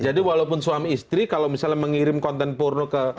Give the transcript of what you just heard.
jadi walaupun suami istri kalau misalnya mengirim konten porno ke